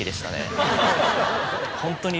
ホントに。